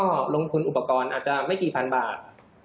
ก็ลงทุนอุปกรณ์อาจจะไม่กี่พันบาท